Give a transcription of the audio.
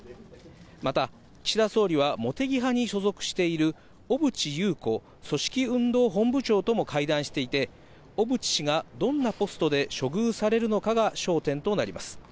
また、岸田総理は、茂木派に所属している小渕優子組織運動本部長とも会談していて、小渕氏がどんなポストで処遇されるのかが焦点となります。